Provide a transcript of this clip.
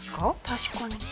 確かに。